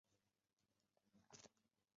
凹睾棘缘吸虫为棘口科棘缘属的动物。